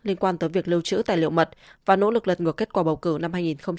liên quan tới việc lưu trữ tài liệu mật và nỗ lực lật ngược kết quả bầu cử năm hai nghìn hai mươi